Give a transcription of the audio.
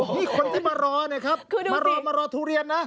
นี่คนที่มารอนะครับมารอมารอทุเรียนนะ